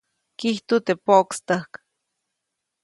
Kijtu teʼ poʼkstäjk.